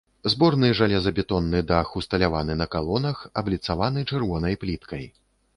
Зборны жалезабетонны дах усталяваны на калонах, абліцаваны чырвонай пліткай.